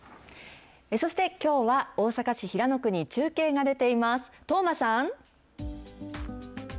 そして、きょうは大阪市平野区に中継が出ています。